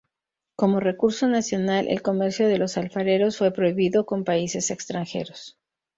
Como recurso nacional, el comercio de los alfareros fue prohibido con países extranjeros.